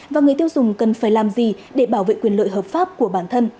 và người tiêu dùng cần phải làm gì để bảo vệ quyền lợi hợp pháp của bản thân